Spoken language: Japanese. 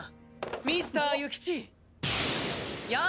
ミスター諭吉！やぁ！